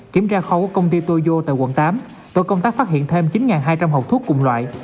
kiểm tra khoa quốc công ty toyo tại quận tám tội công tác phát hiện thêm chín hai trăm linh hộp thuốc cùng loại